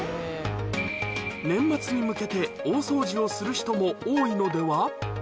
年末に向けて大掃除をする人も多いのでは？